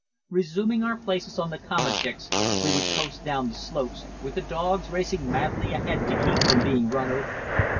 Resuming our places on the komatiks, we would coast down the slopes, with the dogs racing madly ahead to keep from being run over.